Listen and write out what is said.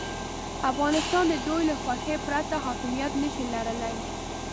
افغانستان د دوی له خوښې پرته حاکمیت نه شي لرلای.